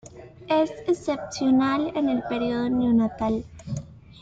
Es excepcional en el período neonatal.